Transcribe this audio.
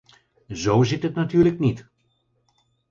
Zo zit het natuurlijk niet.